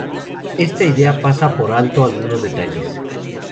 Esta idea pasa por alto algunos detalles.